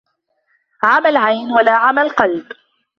عمى العين ولا عمى القلب